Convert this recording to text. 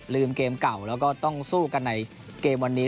เกมเก่าแล้วก็ต้องสู้กันในเกมวันนี้